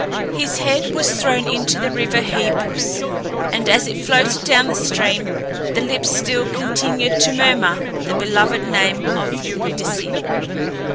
His head was thrown into the river Hebrus, and as it floated down the stream, the lips still continued to murmur the beloved name of Eurydice.